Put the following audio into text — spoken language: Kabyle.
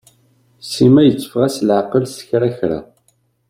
Sima yetteffeɣ-as leɛqel s kra kra.